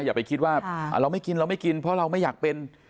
อย่าไปคิดว่าเราไม่กินเราไม่กินเพราะเราไม่อยากเป็น